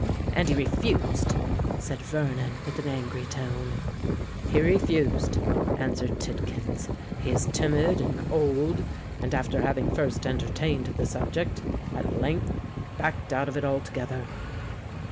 "And he refused?" said Vernon, with an angry tone. "He refused," answered Tidkins. "He is timid and old; and, after having first entertained the subject, at length backed out of it altogether."